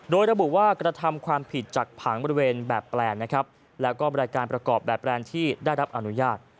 โดยระบุว่ากระทำความผิดจากผังบริเวณแบบแปลนนะครับแล้วก็บริการประกอบแบบแปลนด์ที่ได้รับอนุญาต